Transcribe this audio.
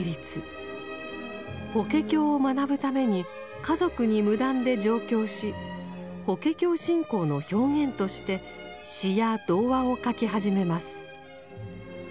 法華経を学ぶために家族に無断で上京し法華経信仰の表現として詩や童話を書き始めます。